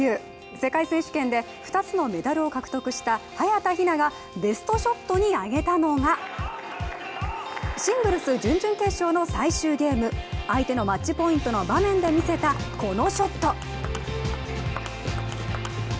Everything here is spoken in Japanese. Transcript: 世界選手権で２つのメダルを獲得した早田ひながベストショットに挙げたのがシングルス準々決勝の最終ゲーム相手のマッチポイントの場面で見せたこのショット。